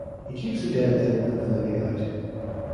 He keeps the dead in and the living out.